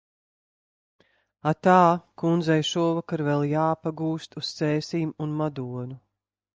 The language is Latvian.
Atā, kundzei šovakar vēl jāpagūst uz Cēsīm un Madonu.